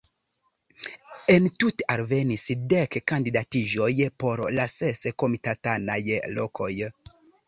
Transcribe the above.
Entute alvenis dek kandidatiĝoj por la ses komitatanaj lokoj.